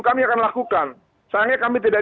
kami akan lakukan sayangnya kami tidak